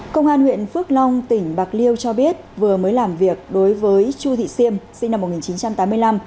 công an huyện phước long tỉnh bạc liêu cho biết vừa mới làm việc đối với chu thị siêm sinh năm một nghìn chín trăm tám mươi năm